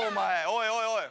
おいおい。